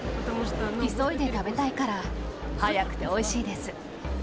急いで食べたいから。早くておいしいです。